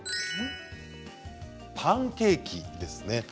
パンケーキですね。